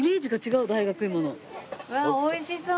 うわあおいしそう！